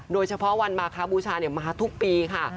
โดยเฉพาะวันมาคบูชามาทุกปีค่ะ